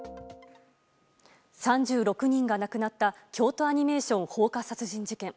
３６人が亡くなった京都アニメーション放火殺人事件。